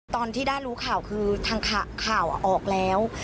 ตอนที่ด้ารู้ข่าวคือทางข่าวออกแล้ว